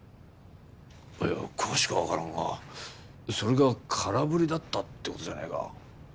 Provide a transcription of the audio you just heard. いや詳しくはわからんがそれが空振りだったって事じゃないか？